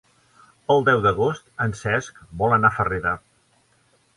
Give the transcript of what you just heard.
El deu d'agost en Cesc vol anar a Farrera.